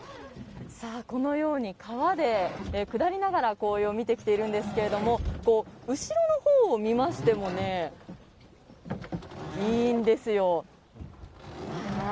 このように川で下りながら紅葉を見てきているんですけども後ろのほうを見ましてもいいんですよ。